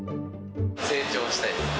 成長したいです。